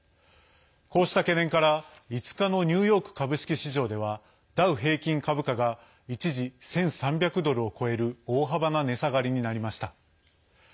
こうした懸念から５日のニューヨーク株式市場ではダウ平均株価が一時１３００ドルを超える大幅な値下がりになりました。